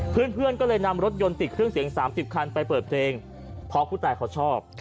เพื่อนก็เลยนำรถยนต์ติดเครื่องเสียง๓๐คันไปเปิดเพลงเพราะผู้ตายเขาชอบ